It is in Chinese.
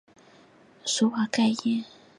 索瓦盖伊。